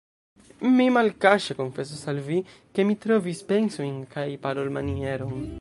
Mi malkaŝe konfesos al vi, ke mi trovis pensojn kaj parolmanieron.